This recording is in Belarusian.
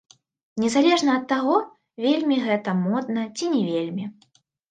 Незалежна ад таго, вельмі гэта модна ці не вельмі.